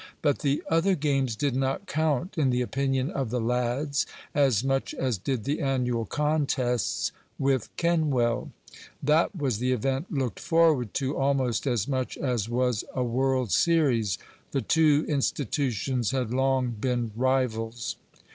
But the other games did not count in the opinion of the lads as much as did the annual contests with Kenwell. That was the event looked forward to almost as much as was a world series. The two institutions had long been rivals.